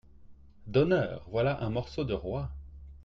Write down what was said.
D’honneur ! voilà un morceau de roi !…